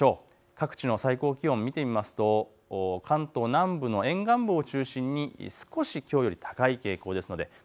各地の最高気温を見てみると関東南部の沿岸部を中心に少しきょうより高い傾向です。